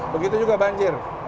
begitu juga banjir